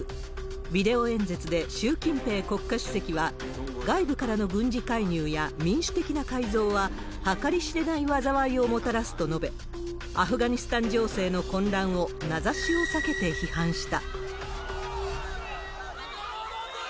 ビデオ演説で習近平国家主席は、外部からの軍事介入や民主的な改造は計り知れない災いをもたらすと述べ、アフガニスタン情勢の混乱を名指しを避けて批判した。